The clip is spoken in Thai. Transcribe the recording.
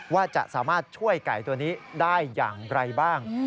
ว่าจะสามารถช่วยไก่ตัวนี้ได้อย่างไรบ้าง